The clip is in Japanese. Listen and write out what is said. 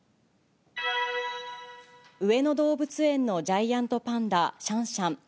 上野動物園のジャイアントパンダ、シャンシャン。